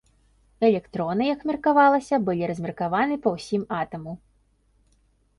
Электроны, як меркавалася, былі размеркаваны па ўсім атаму.